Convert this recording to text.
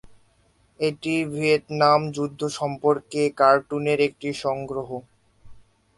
এটি ভিয়েতনাম যুদ্ধ সম্পর্কে কার্টুনের একটি সংগ্রহ।